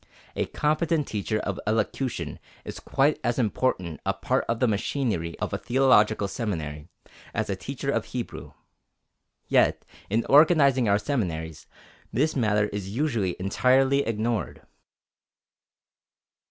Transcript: A competent teacher of elocution is quite as important a part of the machinery of a theological seminary, as a teacher of Hebrew. Yet, in organizing our seminaries, this matter is usually entirely ignored.